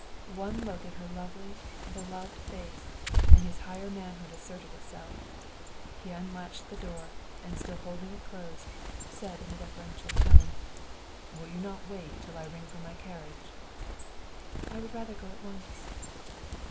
One look at her lovely, beloved face, and his higher manhood asserted itself. He unlatched the door, and still holding it closed, said in a deferential tone, "Will you not wait till I ring for my carriage?" "I would rather go at once."